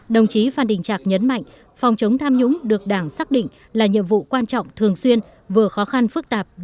đồng chí phan đình trạc nhấn mạnh